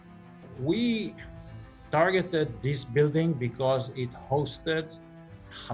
kami menargetkan bangunan ini karena